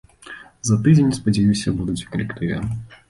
За тыдзень, спадзяюся, будуць у калектыве.